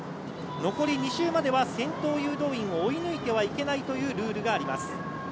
残り２周までは先頭誘導員を追い抜いてはいけないというルールがあります。